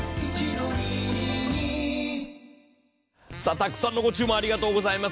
たくさんのご注文ありがとうございます。